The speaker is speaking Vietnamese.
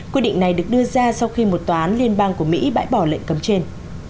quyết định này được đưa ra sau khi một toán liên bang của mỹ bãi bỏ lệnh cấm trên